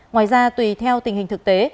ngoài ra tùy theo tình hình thực tế